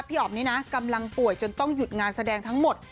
อ๋อมนี้นะกำลังป่วยจนต้องหยุดงานแสดงทั้งหมด